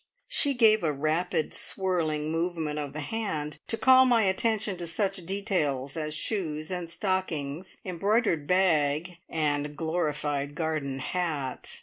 She gave a rapid swirling movement of the hand to call my attention to such details as shoes and stockings, embroidered bag, and glorified garden hat.